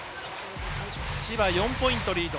千葉４ポイントリード。